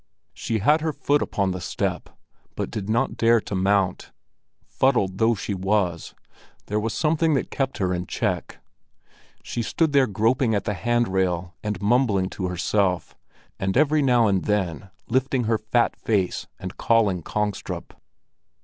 She had her foot upon the step, but did not dare to mount. Fuddled though she was, there was something that kept her in check. She stood there groping at the handrail and mumbling to herself, and every now and then lifting her fat face and calling Kongstrup.